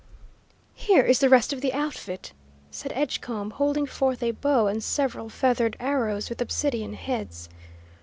"Here is the rest of the outfit," said Edgecombe, holding forth a bow and several feathered arrows with obsidian heads.